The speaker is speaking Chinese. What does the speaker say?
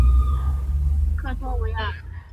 博斯河畔昂克托维尔。